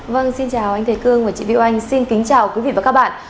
vâng xin chào anh thế cương và chị viu anh xin kính chào quý vị và các bạn